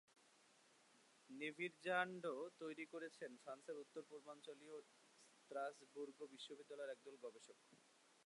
নেভির্যা ন্ডো তৈরি করেছেন ফ্রান্সের উত্তর পূর্বাঞ্চলীয় স্ত্রাসবুর্গ বিশ্ববিদ্যালয়ের একদল গবেষক।